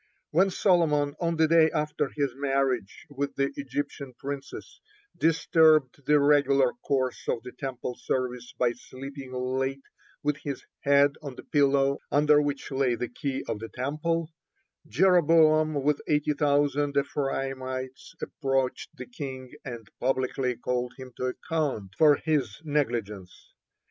When Solomon, on the day after his marriage with the Egyptian princess, disturbed the regular course of the Temple service by sleeping late with his head on the pillow under which lay the key of the Temple, Jeroboam with eighty thousand Ephraimites approached the king and publicly called him to account for is negligence.